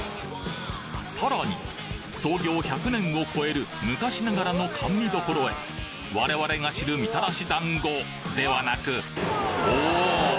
さらに創業１００年を超える昔ながらの甘味処へ我々が知るみたらし団子ではなくおお！